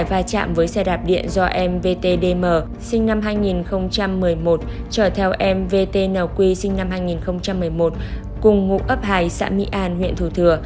và chạm với xe đạp điện do mvt dm sinh năm hai nghìn một mươi một trở theo mvt nq sinh năm hai nghìn một mươi một cùng ngụ ấp hai xã mỹ an huyện thủ thừa